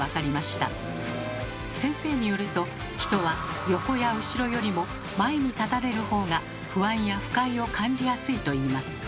先生によると人は横や後ろよりも前に立たれるほうが不安や不快を感じやすいといいます。